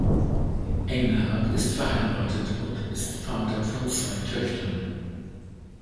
Engelhard ist verheiratet und ist Vater von zwei Töchtern.